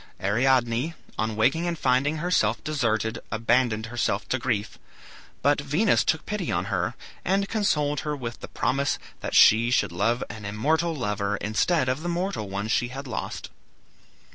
Ariadne, on waking and finding herself deserted, abandoned herself to grief. But Venus took pity on her, and consoled her with the promise that she should have an immortal lover, instead of the mortal one she had lost.